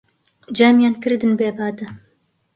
جامیان کردن بێ بادە